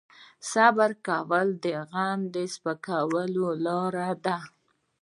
صبر کول د غم د سپکولو لاره ده.